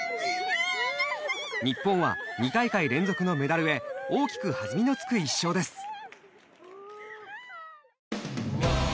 日本は２大会連続のメダルへ大きく弾みのつく１勝です。